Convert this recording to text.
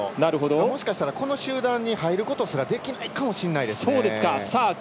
もしかしたらこの集団に入ることすらできないかもしれないですね。